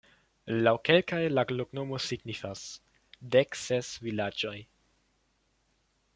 Laŭ kelkaj la loknomo signifas: dek ses vilaĝoj.